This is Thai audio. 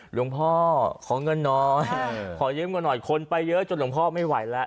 หลวงพ่อขอเงินน้อยขอยืมเงินหน่อยคนไปเยอะจนหลวงพ่อไม่ไหวแล้ว